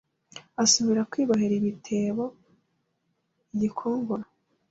asubira kwibohera ibitebo i Gikongoro